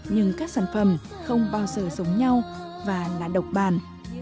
nhưng các sản phẩm không bao giờ giống nhau và là độc bản